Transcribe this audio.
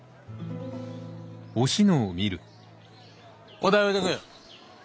お代置いとくよ。